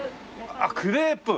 あっクレープ！